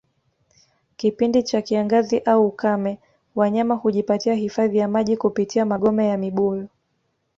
Kipindi cha kiangazi au ukame Wanyama hujipatia hifadhi ya maji kupitia magome ya mibuyu